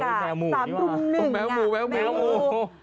แมวหมูนี่สิค่ะแมวหมูแมวหมู